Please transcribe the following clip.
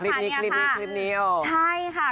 คลิปนี้คลิปนี้คลิปเดียวใช่ค่ะ